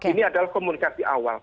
ini adalah komunikasi awal